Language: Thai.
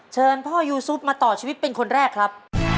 เชิญพ่อยูซุปมาต่อชีวิตเป็นคนแรกครับ